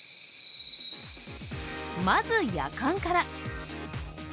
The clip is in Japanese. まず、やかんから。